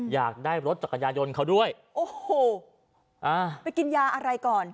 อยากได้รถจักรยานยนต์เขาด้วยโอ้โหอ่าไปกินยาอะไรก่อน